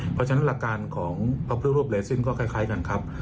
เพราะฉะนั้นหลักการของพระพุทธรูปเลซินก็คล้ายกันครับ